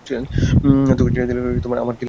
তোকে ছেড়ে দিলে আমার কী লাভ, হাহ?